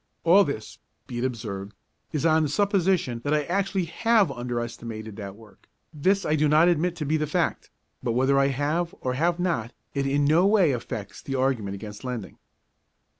All this, be it observed, is on the supposition that I actually have under estimated that work; this I do not admit to be the fact, but whether I have or have not it in no way affects the argument against lending.